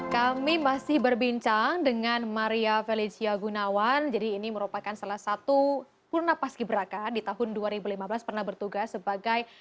kami masih berbincang dengan maria felicia gunawan jadi ini merupakan salah satu purna paski beraka di tahun dua ribu lima belas pernah bertugas sebagai